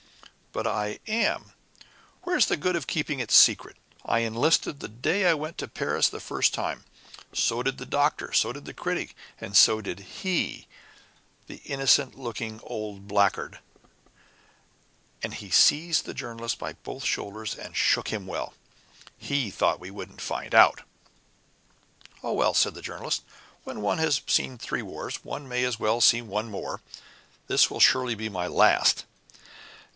"But I am. Where's the good of keeping it secret? I enlisted the day I went to Paris the first time so did the Doctor, so did the Critic, and so did he, the innocent looking old blackguard," and he seized the Journalist by both shoulders and shook him well. "He thought we wouldn't find it out." "Oh, well," said the Journalist, "when one has seen three wars, one may as well see one more. This will surely be my last."